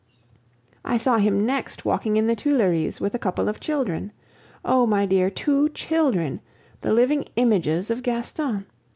I saw him next walking to the Tuileries with a couple of children. Oh! my dear, two children, the living images of Gaston!